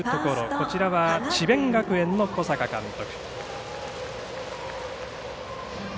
こちらは智弁学園の小坂監督。